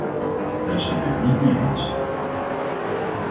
Daar zijn we het niet mee eens.